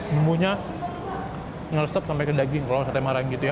bumbunya meresep sampai ke daging kalau sate marang gitu ya